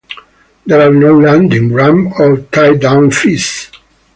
There are no landing, ramp or tie-down fees.